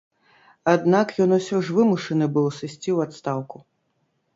Аднак ён усё ж вымушаны быў сысці ў адстаўку.